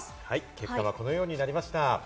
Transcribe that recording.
結果はこのようになりました。